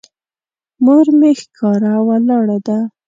مور مې ښکاره ولاړه ده.